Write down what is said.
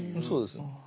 そうですよね。